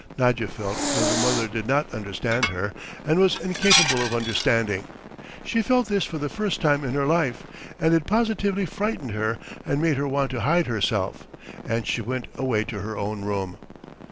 ..." Nadya felt that her mother did not understand her and was incapable of understanding. She felt this for the first time in her life, and it positively frightened her and made her want to hide herself; and she went away to her own room.